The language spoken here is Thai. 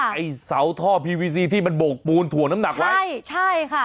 ไอ้เสาท่อพีวีซีที่มันโบกปูนถ่วงน้ำหนักไว้ใช่ใช่ค่ะ